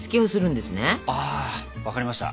分かりました。